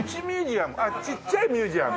あっちっちゃいミュージアム？